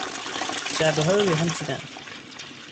جعبهها را روی هم چیدند.